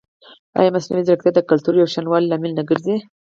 ایا مصنوعي ځیرکتیا د کلتوري یوشان والي لامل نه ګرځي؟